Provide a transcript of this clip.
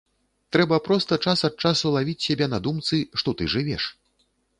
Трэба проста час ад часу лавіць сябе на думцы, што ты жывеш.